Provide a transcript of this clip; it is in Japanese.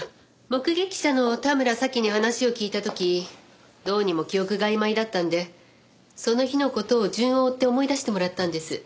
目撃者の田村紗季に話を聞いた時どうにも記憶があいまいだったんでその日の事を順を追って思い出してもらったんです。